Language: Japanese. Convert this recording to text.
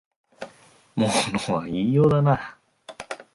物は言いようだな